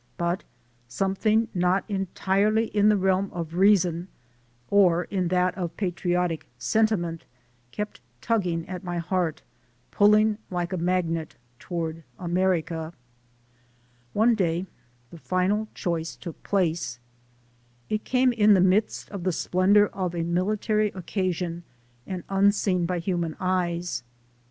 But 'something not entirely in the realm of reason or in that of patriotic sentiment kept tugging at my heart, pull ing like a magnet toward America. One day the final choice took place. It came in THE SOUL OF AN IMMIGRANT the midst of the splendor of a military occasion and unseen by human eyes.